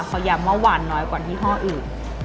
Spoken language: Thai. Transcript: เขาย้ำว่าหวานน้อยกว่ายี่ห้ออื่น